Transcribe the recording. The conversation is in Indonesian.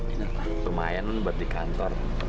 ini apa lumayan buat di kantor